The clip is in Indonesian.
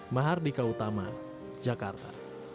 mahardika utama jakarta